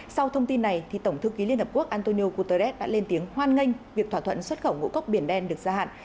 sau thông tin này tổng thư ký liên hợp quốc antonio guterres đã lên tiếng hoan nghênh việc thỏa thuận xuất khẩu ngũ cốc biển đen được gia hạn